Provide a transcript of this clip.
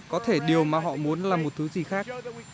có thể điều mà họ muốn làm một thứ gì khác